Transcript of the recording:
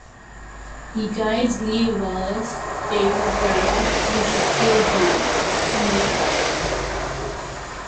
He guides Lea Wallace, David Brown and Shaquille Vance, among others.